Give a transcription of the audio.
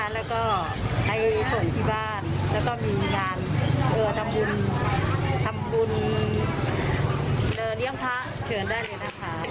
แล้วก็มีงานทำบุญเดินเลี้ยงพระเชิญได้เลยนะคะ